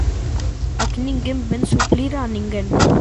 Aquí ninguén vén suplir a ninguén.